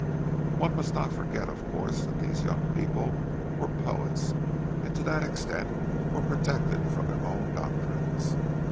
One must not forget, of course, that these young people were poets, and to that extent were protected from their own doctrines.